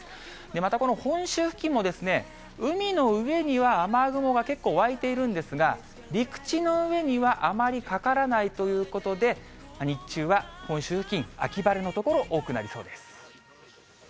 またこの本州付近も、海の上には、雨雲が結構湧いているんですが、陸地の上にはあまりかからないということで、日中は本州付近、秋晴れの所、多くなりそうです。